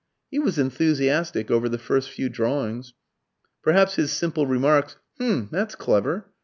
He was enthusiastic over the first few drawings. Perhaps his simple remarks, "H'm, that's clever!"